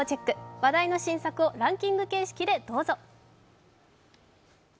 話題の新作をランキング形式でどうぞ。